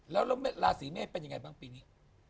แล้วราศีเมษเป็นยังไงบ้างปีนี้